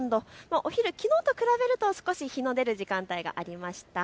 お昼、きのうと比べると少し日の出る時間帯がありました。